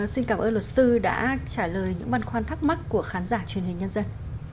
xin cảm ơn luật sư đã trả lời những băn khoăn thắc mắc của khán giả truyền hình nhân dân